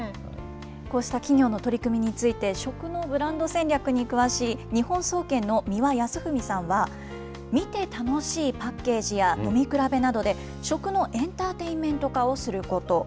こうした企業の取り組みについて、食のブランド戦略に詳しい、日本総研の三輪泰史さんは、見て楽しいパッケージや飲み比べなどで、食のエンターテインメント化をすること。